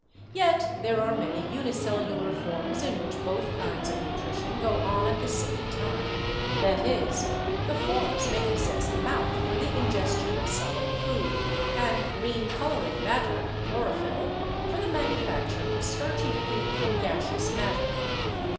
Yet there are many unicellular forms in which both kinds of nutrition go on at the same time; that is, the forms may possess a mouth for the ingestion of solid food and green coloring matter, chlorophyll, for the manufacture of starchy food from gaseous matter.